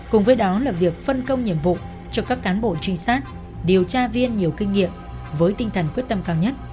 cùng với đó là việc phân công nhiệm vụ cho các cán bộ trinh sát điều tra viên nhiều kinh nghiệm với tinh thần quyết tâm cao nhất